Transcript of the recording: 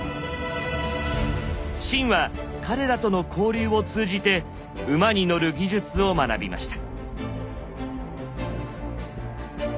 秦は彼らとの交流を通じて「馬に乗る技術」を学びました。